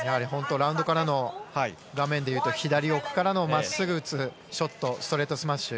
ラウンドからの画面でいうと左奥からの真っすぐ打つショットストレートスマッシュ。